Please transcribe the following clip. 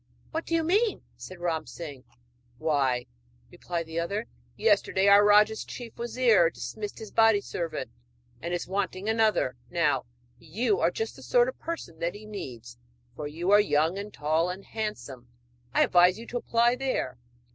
'What do you mean?' asked Ram Singh. 'Why,' replied the other, 'yesterday our rajah's chief wazir dismissed his body servant and is wanting another. Now you are just the sort of person that he needs, for you are young and tall, and handsome; I advise you to apply there.'